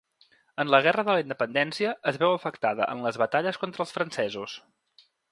En la guerra de la Independència es veu afectada en les batalles contra els francesos.